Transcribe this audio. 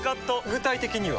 具体的には？